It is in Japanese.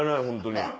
本当に。